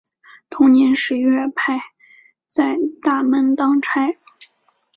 同年十月派在大门当差。